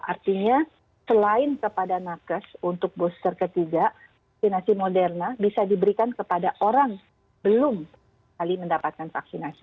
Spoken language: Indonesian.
artinya selain kepada nakes untuk booster ketiga vaksinasi moderna bisa diberikan kepada orang belum kali mendapatkan vaksinasi